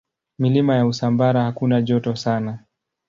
Milima ya Usambara hakuna joto sana.